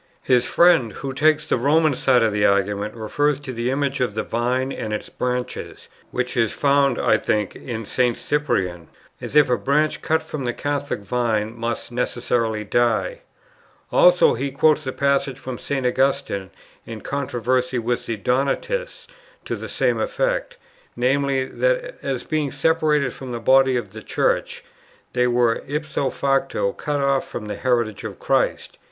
His friend, who takes the Roman side of the argument, refers to the image of the Vine and its branches, which is found, I think, in St. Cyprian, as if a branch cut from the Catholic Vine must necessarily die. Also he quotes a passage from St. Augustine in controversy with the Donatists to the same effect; viz. that, as being separated from the body of the Church, they were ipso facto cut off from the heritage of Christ.